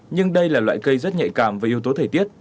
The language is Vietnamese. nhưng đây là loại cây rất nhạy cảm với yếu tố thời tiết